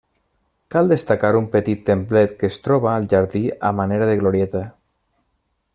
Cal destacar un petit templet que es troba al jardí a manera de glorieta.